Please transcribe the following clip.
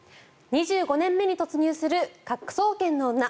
２５年目に突入する「科捜研の女」。